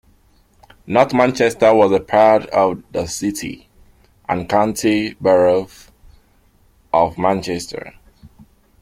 North Manchester was a part of the City and County Borough of Manchester.